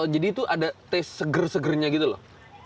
jadi itu ada taste seger segernya gitu loh